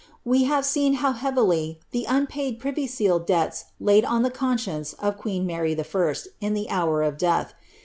We have seen how heavily the unpaid privy seal debts laid on the conscience of queen Mary I. in the hour of death.